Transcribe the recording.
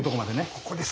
ここです